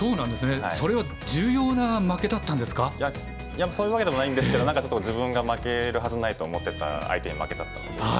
いやそういうわけでもないんですけどちょっと自分が負けるはずないと思ってた相手に負けちゃったので。